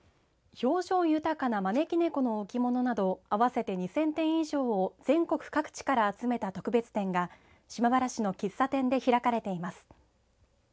表情豊かな招き猫の置物など合わせて２０００点以上を全国各地から集めた特別展が島原市の喫茶店で開かれています。